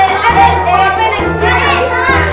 tuh tuk di situ aja tuh